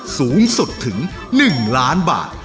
สูงสุดถึง๑ล้านบาท